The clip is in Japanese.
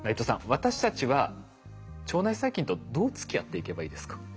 私たちは腸内細菌とどうつきあっていけばいいですか？